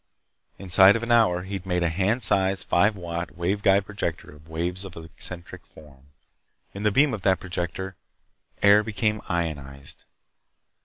Inside of an hour he'd made a hand sized, five watt, wave guide projector of waves of eccentric form. In the beam of that projector, air became ionized.